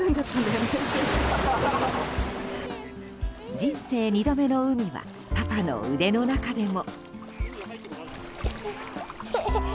人生２度目の海はパパの腕の中でも。